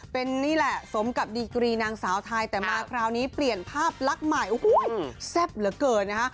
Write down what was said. เป็นนี่แหละสมกับดีกรีนางสาวไทยแต่มาคราวนี้เปลี่ยนภาพลักษณ์ใหม่โอ้โหแซ่บเหลือเกินนะฮะ